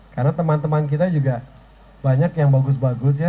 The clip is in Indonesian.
karena teman teman kita juga banyak yang bagus bagus ya